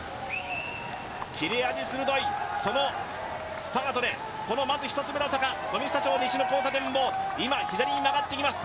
切れ味鋭いそのスパートで、まず１つ目の坂、富久町西の交差点を今左に曲がっていきます。